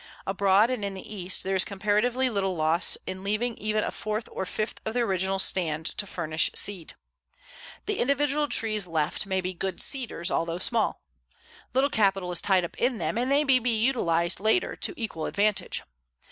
Abroad and in the East there is comparatively little loss in leaving even a fourth or fifth of the original stand to furnish seed. The individual trees left may be good seeders, although small. Little capital is tied up in them and they may be utilized later to equal advantage.